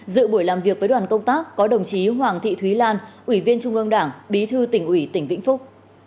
dự buổi làm việc với đoàn công tác có đồng chí hoàng thị thúy lan ủy viên trung ương đảng bí thư tỉnh ủy tỉnh vĩnh phúc